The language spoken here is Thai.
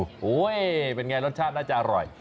โอ้โหเป็นไงรสชาติน่าจะอร่อย